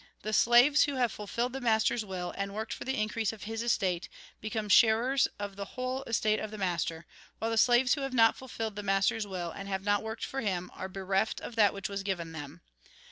The slaves who have fulfilled the master's will, and worked for the increase of his estate, be come sharers of the whole estate of the master, while the slaves who have not fulfilled the master's will, and have not worked for him, are bereft of that which was given them.